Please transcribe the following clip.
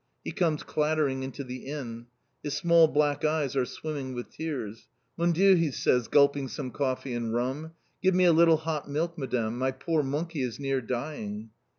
He comes clattering into the Inn. His small black eyes are swimming with tears. "Mon Dieu!" he says, gulping some coffee and rum. "Give me a little hot milk, Madame! My poor monkey is near dying."